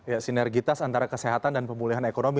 ya sinergitas antara kesehatan dan pemulihan ekonomi